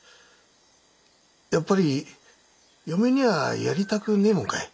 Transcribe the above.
やっぱり嫁にはやりたくねえもんかい？